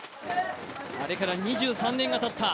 あれから２３年がたった。